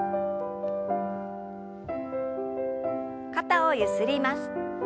肩をゆすります。